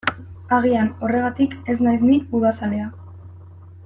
Agian horregatik ez naiz ni udazalea.